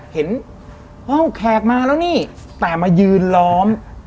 เห็นห้องแขกมาแล้วนี่แต่มายืนล้อม